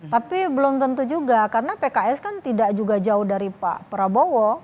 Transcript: tapi belum tentu juga karena pks kan tidak juga jauh dari pak prabowo